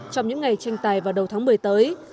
trong những ngày tranh tài vào đầu tháng một mươi tới